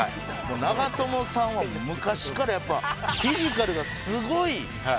長友さんは昔からやっぱフィジカルがすごい印象があるんですよ